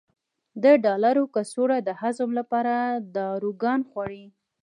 د ډالري کڅوړو د هضم لپاره داروګان خوري.